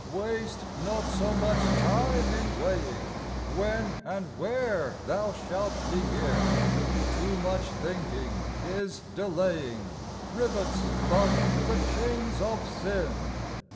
Waste not so much time in weighing When and where thou shalt begin : Too much thinking is delaying, Rivets but the chains of sin.